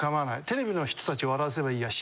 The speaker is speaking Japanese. テレビの人たち笑わせればいいや。